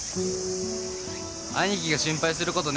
兄貴が心配することねえよ。